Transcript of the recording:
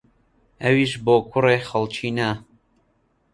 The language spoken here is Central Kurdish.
ئەویش بۆ کوڕێ خەڵکی نا